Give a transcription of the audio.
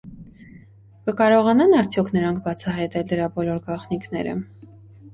Կկարողանա՞ն արդյոք նրանք բացահայտել դրա բոլոր գաղտնիքները։